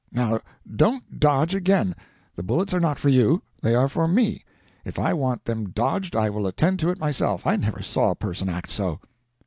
Now, don't dodge again; the bullets are not for you, they are for me; if I want them dodged I will attend to it myself. I never saw a person act so."